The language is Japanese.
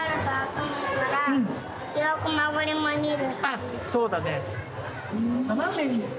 あっ、そうだね。